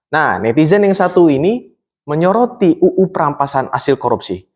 nah netizen yang satu ini menyoroti uu perampasan hasil korupsi